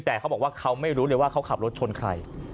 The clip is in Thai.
แต่เขาบอกว่าเขาไม่รู้เลยว่าเขาขับรถชนใคร